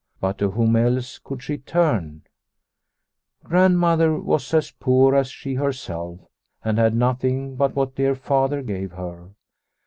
But to whom else could she turn ? Grand mother was as poor as she herself and had nothing but what dear Father gave her.